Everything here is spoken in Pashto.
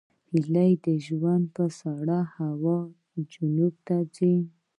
هیلۍ د ژمي په سړه هوا کې جنوب ته ځي